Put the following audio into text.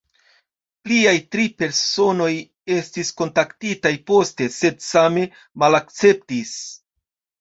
Pliaj tri personoj estis kontaktitaj poste, sed same malakceptis.